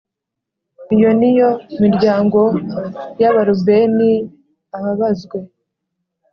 Iyo ni yo miryango y abarubeni ababazwe